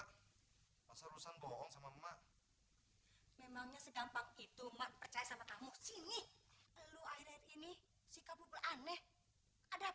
lu melepaskan berat ayo ngomong percaya sama enggak ngomong sama belok begini mak sebenarnya